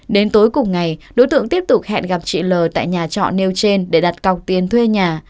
đến tối cùng ngày đối tượng tiếp tục hẹn gặp chị l tại nhà trọ nêu trên để đặt cọc tiền thuê nhà